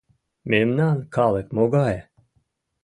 Мемнан калык могае?